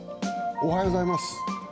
おはようございます。